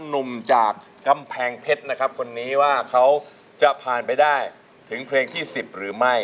หนุ่มจากกำแพงเพชรนะครับคนนี้ว่าเขาจะผ่านไปได้ถึงเพลงที่๑๐หรือไม่